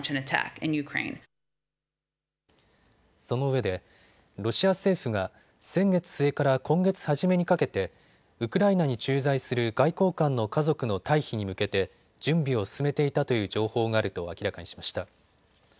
そのうえでロシア政府が先月末から今月初めにかけてウクライナに駐在する外交官の家族の退避に向けて準備を進めていたという情報があると明らかにしました。